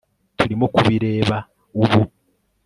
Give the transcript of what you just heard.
turimo kubireba ubu